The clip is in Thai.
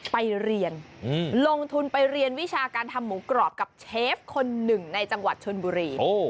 ไปเรียนลงทุนไปเรียนวิชาการทำหมูกรอบกับเชฟคนหนึ่งในจังหวัดชนบุรี